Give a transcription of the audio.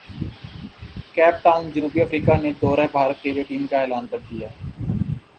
cap Town جنوبی افریقہ نے دورہ بھارت کیلئے ٹیم کا اعلان کردیا